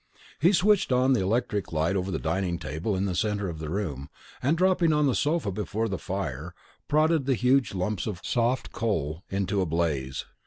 He switched on the electric light over the dining table in the centre of the room, and, dropping on the sofa before the fire, prodded the huge lumps of soft coal into a blaze.